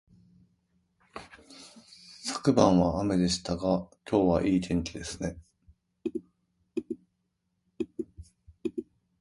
昨晩は雨でしたが、今日はいい天気ですね